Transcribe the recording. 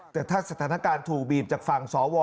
แต่ถ้าสถานการณ์ถูกบีบจากฝั่งสว